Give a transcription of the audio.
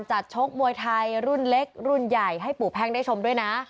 ชกมวยไทยรุ่นเล็กรุ่นใหญ่ให้ปู่แพ่งได้ชมด้วยนะ